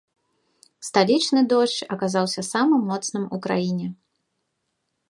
Сталічны дождж аказаўся самым моцным у краіне.